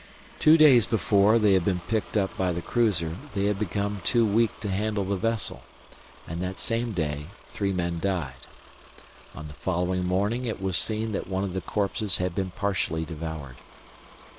Two days before they had been picked up by the cruiser they had become too weak to handle the vessel, and that same day three men died. On the following morning it was seen that one of the corpses had been partially devoured.